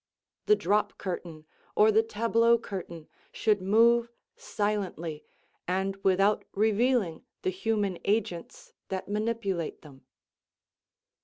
The drop curtain or the tableau curtain should move silently and without revealing the human agents that manipulate them.